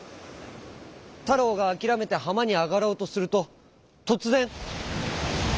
たろうがあきらめてはまにあがろうとするととつぜん。